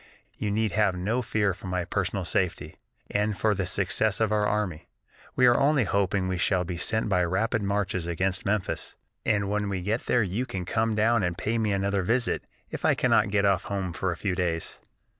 You need have no fear for my personal safety, or for the success of our army. We are only hoping we shall be sent by rapid marches against Memphis, and when we get there you can come down and pay me another visit, if I cannot get off home for a few days."